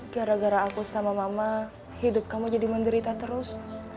gara gara aku sama mama hidup kamu jadi menderita terus